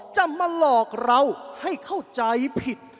จะมาหลอกเราให้เข้าใจผิด